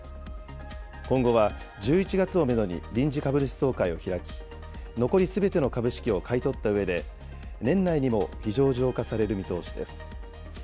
今後は１１月をメドに臨時株主総会を開き、残りすべての株式を買い取ったうえで、年内にも非上場化される見通しです。